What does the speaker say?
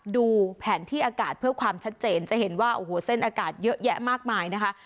ดูแผนที่อากาศเพื่อความชัดเจนจะเห็นว่าโอ้โหเส้นอากาศเยอะแยะมากมายนะคะ